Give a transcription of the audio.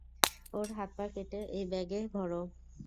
ওর হাত-পা কেটে এই ব্যাগে ভর।